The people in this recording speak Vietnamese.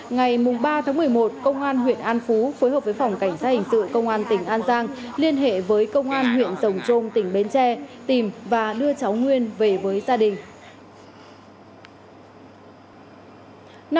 ngày ba một mươi một công an huyện an phú phối hợp với phòng cảnh sát hình sự công an tỉnh an giang liên hệ với công an huyện rồng trôm tỉnh bến tre tìm và đưa cháu nguyên về với gia đình